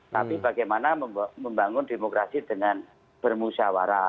tapi bagaimana membangun demokrasi dengan bermusyawarah